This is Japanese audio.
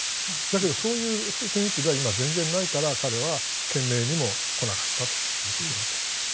でも、そういう雰囲気は全然ないから彼は懸命にも来なかったということだと思います。